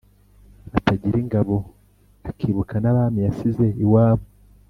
batagira ingabo, akibuka n’abami yasize iwabo,